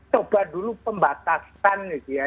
coba dulu pembatasan gitu ya